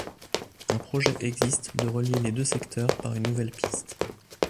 Un projet existe de relier les deux secteurs par une nouvelle piste.